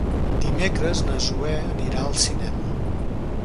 Dimecres na Zoè anirà al cinema.